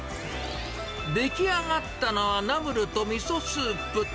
出来上がったのは、ナムルとみそスープ。